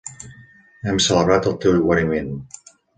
Hem celebrat el teu guariment.